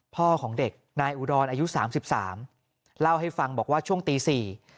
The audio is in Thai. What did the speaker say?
พ่อของเด็กนายอุดรอายุ๓๓เล่าให้ฟังบอกว่าช่วงตี๔